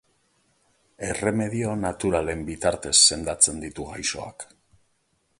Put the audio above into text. Erremedio naturalen bitartez sendatzen ditu gaixoak.